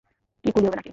কি কুলি হবে নাকি?